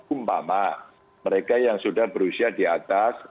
umpama mereka yang sudah berusia di atas enam puluh tahun